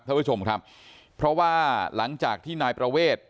ท่านผู้ชมครับเพราะว่าหลังจากที่นายประเวท